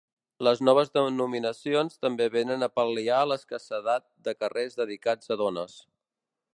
Les noves denominacions també venen a pal·liar l’escassedat de carrers dedicats a dones.